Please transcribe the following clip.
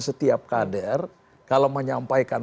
setiap kader kalau menyampaikan